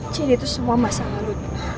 jadi itu semua masa lalu